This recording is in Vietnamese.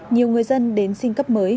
nhiều người dân đến xin cấp mới